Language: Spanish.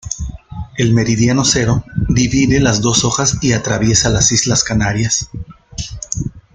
El meridiano cero divide las dos hojas y atraviesa las islas Canarias.